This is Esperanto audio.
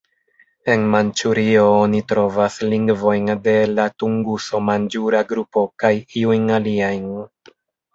En Manĉurio oni trovas lingvojn de la Tunguso-manĝura grupo kaj iujn aliajn.